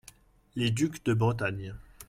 les ducs de Bretagne.